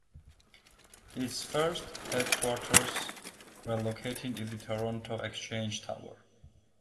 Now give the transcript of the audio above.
Its first headquarters were located in the Toronto Exchange Tower.